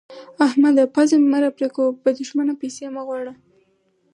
احمده! پزه مې مه راپرې کوه؛ به دوښمنه پيسې مه غواړه.